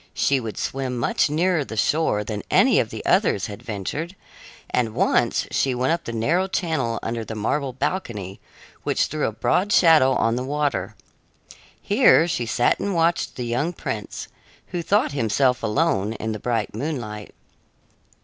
She would swim much nearer the shore than any of the others had ventured, and once she went up the narrow channel under the marble balcony, which threw a broad shadow on the water. Here she sat and watched the young prince, who thought himself alone in the bright moonlight.